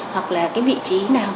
hoặc là cái vị trí nào